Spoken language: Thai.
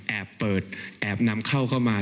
เปิดแอบนำเข้าเข้ามา